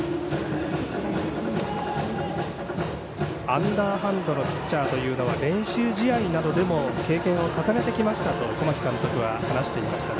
アンダーハンドのピッチャーというのは練習試合などでも経験を重ねてきましたと小牧監督は話していました。